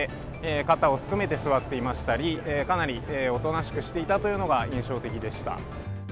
肩をすくめて座っていましたり、かなりおとなしくしていたというのが印象的でした。